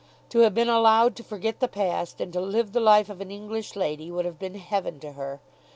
To have been allowed to forget the past and to live the life of an English lady would have been heaven to her.